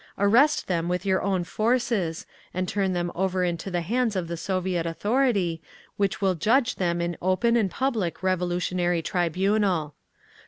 Arrest them with your own forces and turn them over into the hands of the Soviet authority, which will judge them in open and public Revolutionary Tribunal.